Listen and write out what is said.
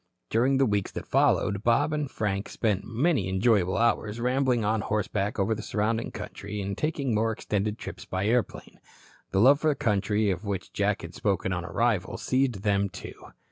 During the weeks that followed Bob and Frank spent many enjoyable hours rambling on horseback over the surrounding country and taking more extended trips by airplane. The love for the country of which Jack had spoken on arrival, seized them, too.